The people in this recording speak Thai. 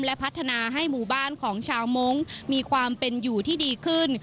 และพัฒนาให้หมู่บ้านของชาวมงค์มีความเป็นอยู่ที่ดีขึ้น